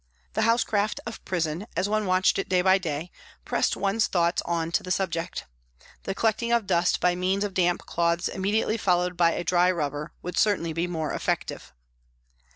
The housecraft of prison, as one watched it day by day, pressed one's thoughts on to the subject. The collecting of dust by means of damp cloths immediately followed by a dry rubber would certainly be more effective.